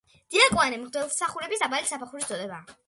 დიაკვანი მღვდელმსახურების დაბალი საფეხურის წოდებაა.